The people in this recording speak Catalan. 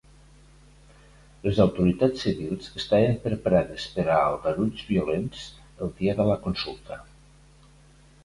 Les autoritats civils estaven preparades per a aldarulls violents el dia de la consulta.